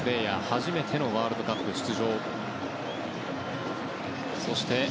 初めてのワールドカップ出場。